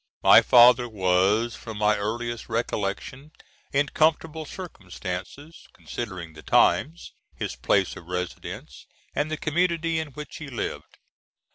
My father was, from my earliest recollection, in comfortable circumstances, considering the times, his place of residence, and the community in which he lived.